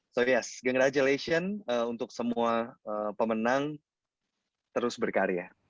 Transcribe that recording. so yes congratulations untuk semua pemenang terus berkarya